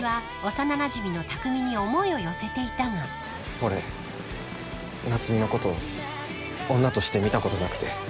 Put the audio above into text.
俺夏海のこと女として見たことなくて。